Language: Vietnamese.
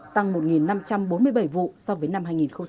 tăng một năm trăm bốn mươi bảy vụ so với năm hai nghìn hai mươi một